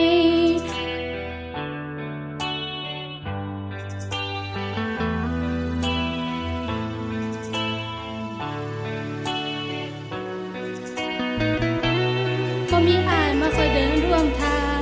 ที่บอกที่บอกใจยังไง